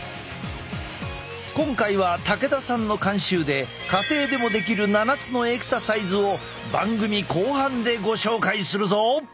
今回は武田さんの監修で家庭でもできる７つのエクササイズを番組後半でご紹介するぞ！